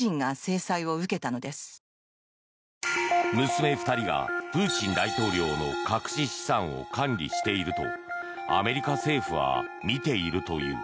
娘２人がプーチン大統領の隠し資産を管理しているとアメリカ政府は見ているという。